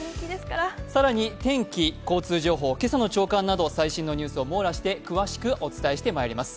更に、天気、交通情報、今朝の朝刊など最新のニュース網羅して詳しくお伝えしていきます。